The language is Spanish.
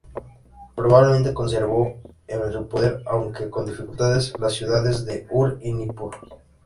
Probablemente conservó en su poder, aunque con dificultades, las ciudades de Ur y Nippur.